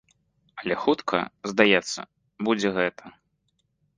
Але хутка, здаецца, будзе гэта.